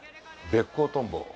ベッコウトンボ。